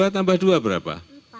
dua tambah dua berapa